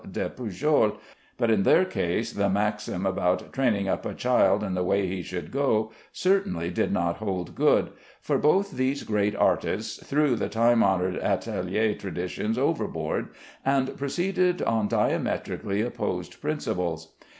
de Pujol, but in their case the maxim about "training up a child in the way he should go" certainly did not hold good, for both these great artists threw the time honored atelier traditions overboard, and proceeded on diametrically opposed principles.